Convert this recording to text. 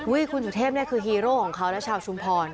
คุณสุเทพนี่คือฮีโร่ของเขาและชาวชุมพร